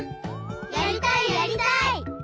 やりたいやりたい！